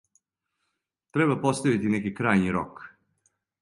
Треба поставити неки крајњи рок.